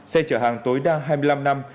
xe chở hàng tối đa hai mươi năm năm